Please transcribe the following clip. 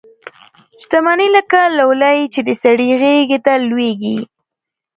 شته مني لکه لولۍ چي د سړي غیږي ته لویږي